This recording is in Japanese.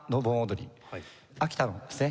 秋田のですね